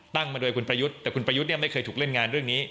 มาโดยคุณประยุทธ์แต่คุณประยุทธ์เนี่ยไม่เคยถูกเล่นงานเรื่องนี้